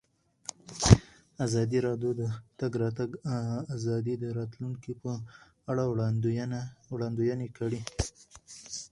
ازادي راډیو د د تګ راتګ ازادي د راتلونکې په اړه وړاندوینې کړې.